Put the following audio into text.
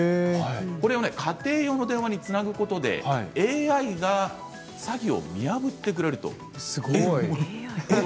これを家庭用の電話につなぐことでＡＩが詐欺を見破ってくれる。